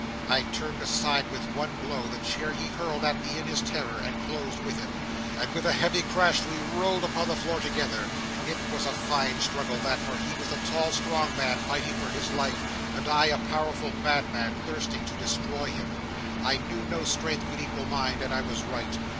'I turned aside with one blow the chair he hurled at me in his terror, and closed with him; and with a heavy crash we rolled upon the floor together. 'It was a fine struggle that; for he was a tall, strong man, fighting for his life; and I, a powerful madman, thirsting to destroy him. I knew no strength could equal mine, and I was right.